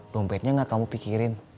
dompetnya gak kamu pikirin